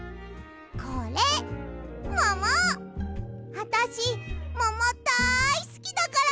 あたしももだいすきだから！